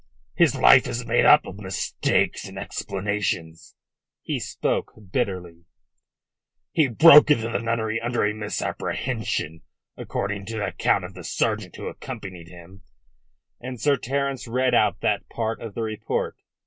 His life is made up of mistakes and explanations." He spoke bitterly, "He broke into the nunnery under a misapprehension, according to the account of the sergeant who accompanied him," and Sir Terence read out that part of the report.